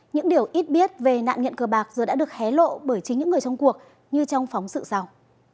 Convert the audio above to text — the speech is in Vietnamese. những điều ít biết về nạn nhận cờ bạc giờ đã được hé lộ bởi chính những người trong cuộc như trong phóng sự sau